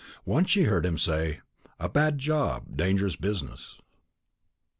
Once she heard him say, "A bad job dangerous business."